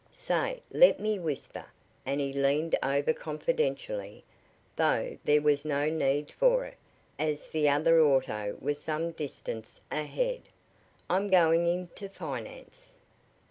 Say, let me whisper," and he leaned over confidentially, though there was no need for it, as the other auto was some distance ahead. "I'm going into finance."